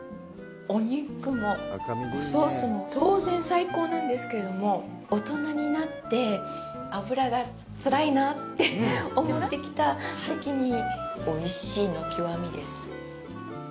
お肉もおソースも当然最高なんですけれども、大人になって脂がつらいなって思ってきたときにおいしいの極みです。